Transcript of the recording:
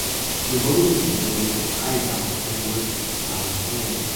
The building is located on higher ground than most of the surrounding area.